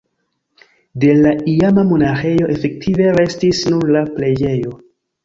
De la iama monaĥejo efektive restis nur la preĝejo.